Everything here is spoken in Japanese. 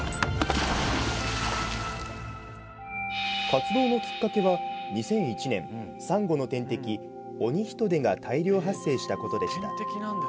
活動のきっかけは２００１年サンゴの天敵・オニヒトデが大量発生したことでした。